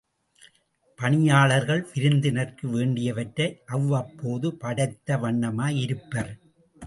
பணியாளர்கள் விருந்தினர்க்கு வேண்டியவற்றை அவ்வப்போது படைத்த வண்ணமாய் இருப்பர்.